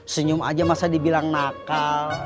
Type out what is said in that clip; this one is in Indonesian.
senyum aja masa dibilang nakal